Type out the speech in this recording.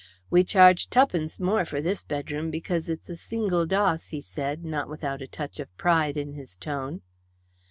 "We charge tuppence more for this bedroom because it's a single doss," he said, not without a touch of pride in his tone.